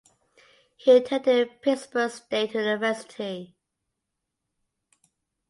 He attended Pittsburg State University.